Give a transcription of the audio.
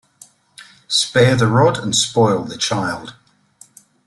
Spare the rod and spoil the child.